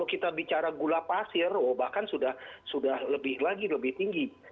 kita bicara gula pasir bahkan sudah lebih lagi lebih tinggi